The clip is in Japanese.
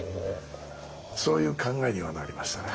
そういう考えにはなりましたね。